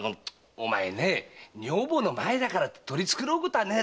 お前ね女房の前だからって取り繕うことはねえだろう？